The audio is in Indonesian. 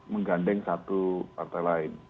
menggandeng satu partai lain